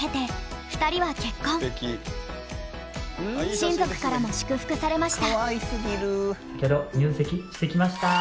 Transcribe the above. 親族からも祝福されました。